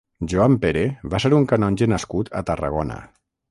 Joan Pere va ser un canonge nascut a Tarragona.